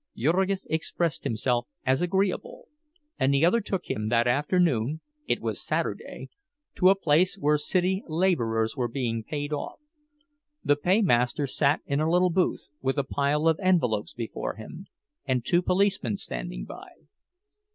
Jurgis expressed himself as agreeable, and the other took him that afternoon (it was Saturday) to a place where city laborers were being paid off. The paymaster sat in a little booth, with a pile of envelopes before him, and two policemen standing by.